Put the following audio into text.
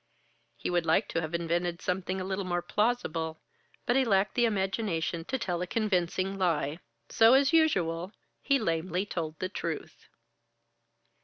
He would like to have invented something a little more plausible, but he lacked the imagination to tell a convincing lie. So, as usual, he lamely told the truth.